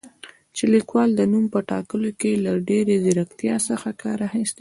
چې لیکوال د نوم په ټاکلو کې له ډېرې زیرکتیا څخه کار اخیستی